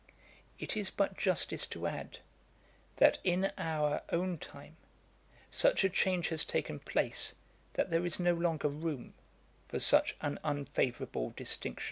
It is but justice to add, that in our own time such a change has taken place, that there is no longer room for such an unfavourable distinction.